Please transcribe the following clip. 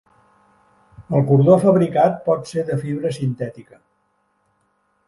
El cordó fabricat pot ser de fibra sintètica.